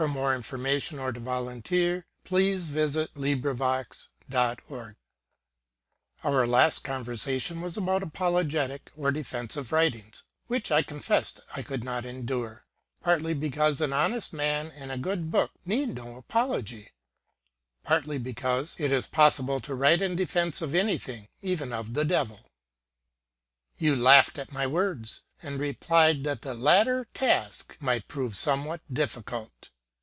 [The visitors all depart,] A DEFENSE OP THE DEVIL From the < Epistles > OUR last conversation was about apologetic or defensive writ ings, which I confessed I could not endure; partly because an honest man and a good book need no apology, partly because it is possible to write in defense of anything, even of the Devil. You laughed at my words, and replied that the latter task might prove somewhat difficult.